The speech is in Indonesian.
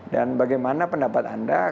dan bagaimana pendapat anda